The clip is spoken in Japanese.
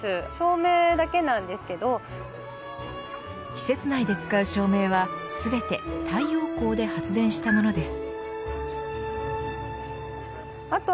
施設内で使う照明は全て太陽光で発電したものです。